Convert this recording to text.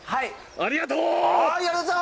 ありがとう。